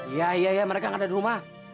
iya iya mereka nggak ada di rumah